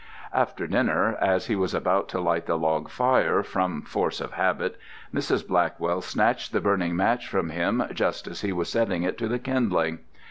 After dinner, as he was about to light the log fire, from force of habit, Mrs. Blackwell snatched the burning match from him just as he was setting it to the kindling.